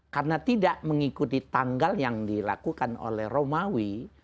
karena tidak mengikuti tanggal yang dilakukan oleh romawi